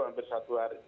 ambil satu hari